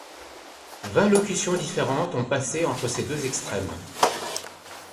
Vingt locutions différentes ont passé entre ces deux extrêmes.